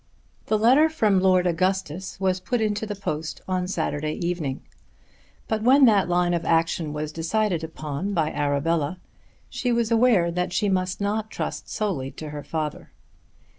The letter from Lord Augustus was put into the post on Saturday evening; but when that line of action was decided upon by Arabella she was aware that she must not trust solely to her father.